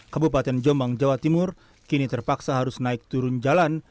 kabupaten jombang jawa timur kini terpaksa harus naik turun jalan